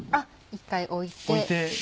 一回置いて。